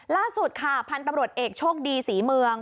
ล่าสุดค่ะพันธุ์ตำรวจเอกโชคดีศรีเมือง